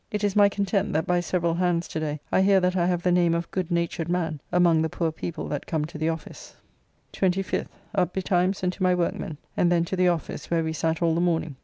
It is my content that by several hands to day I hear that I have the name of good natured man among the poor people that come to the office. 25th. Up betimes and to my workmen, and then to the office, where we sat all the morning.